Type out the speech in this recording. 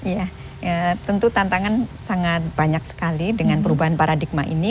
ya tentu tantangan sangat banyak sekali dengan perubahan paradigma ini